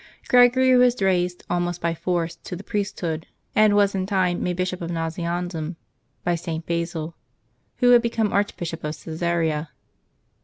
Gregory was raised, almost by force, to the priesthood; and was in time made Bishop of Nazianzum by St. Basil, who had become Archbishop of Caesarea.